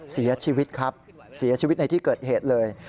เสียชีวิตครับเสียชีวิตในที่เกิดเหตุเลย